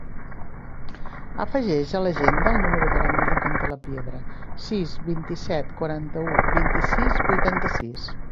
Afegeix a l'agenda el número de l'Emily Cantalapiedra: sis, vint-i-set, quaranta-u, vint-i-sis, vuitanta-sis.